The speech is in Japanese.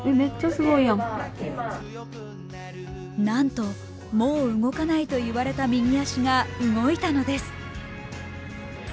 なんともう動かないといわれた右足が動いたのです。